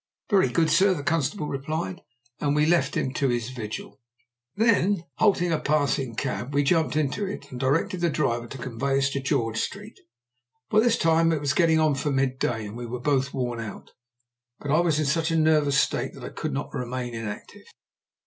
"Very good, sir," the constable replied, and we left him to his vigil. Then, hailing a passing cab, we jumped into it and directed the driver to convey us to George Street. By this time it was getting on for mid day, and we were both worn out. But I was in such a nervous state that I could not remain inactive.